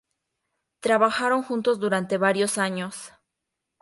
Trabajaron juntos durante varios años.